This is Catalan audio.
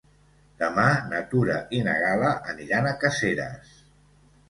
Demà na Tura i na Gal·la aniran a Caseres.